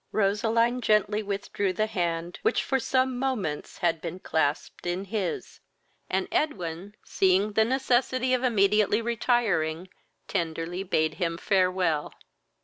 Roseline gently withdrew the hand which for some moments had been clasped in his, and Edwin, seeing the necessity of immediately retiring, tenderly bade him fare well.